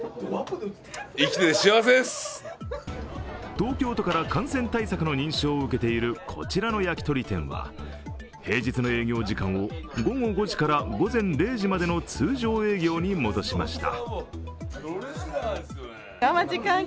東京都から感染対策の認証を受けているこちらの焼き鳥店は平日の営業時間を午後５時から午前０時までの通常営業に戻しました。